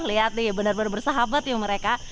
lihat nih benar benar bersahabat ya mereka